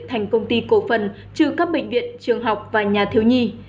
thành công ty cổ phần trừ các bệnh viện trường học và nhà thiếu nhi